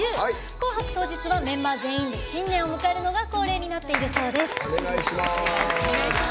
「紅白」当日はメンバー全員で新年を迎えるのが恒例になっているそうです。